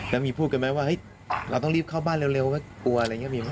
แล้วมีพูดกันไหมว่าเฮ้ยเราต้องรีบเข้าบ้านเร็วก็กลัวอะไรอย่างนี้มีไหม